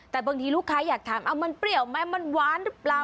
แต่บางทีลูกค้าอยากถามมันเปรี้ยวไหมมันหวานหรือเปล่า